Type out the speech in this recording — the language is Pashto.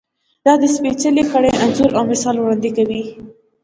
دا د سپېڅلې کړۍ انځور او مثال وړاندې کوي.